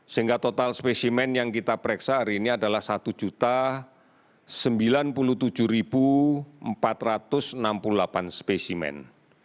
sehingga total spesimen yang kita pereksa hari ini adalah satu sembilan puluh tujuh empat ratus enam puluh delapan spesimen